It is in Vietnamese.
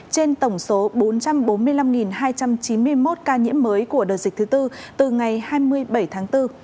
trên tổng số bốn trăm bốn mươi năm hai trăm chín mươi một ca nhiễm mới của đợt dịch thứ tư từ ngày hai mươi bảy tháng bốn